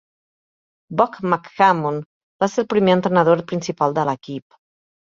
Bob McCammon va ser el primer entrenador principal de l'equip.